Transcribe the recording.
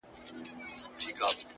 • خوشحال په دې دى چي دا ستا خاوند دی،